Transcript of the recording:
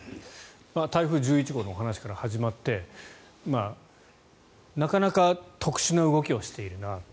台風１１号のお話から始まってなかなか特殊な動きをしているなと。